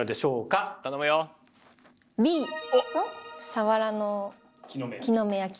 さわらの木の芽焼き。